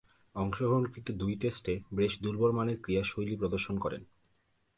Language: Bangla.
অংশগ্রহণকৃত দুই টেস্টে বেশ দূর্বলমানের ক্রীড়াশৈলী প্রদর্শন করেন।